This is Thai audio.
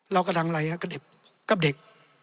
เรากำลังอะไรครับกับเด็ก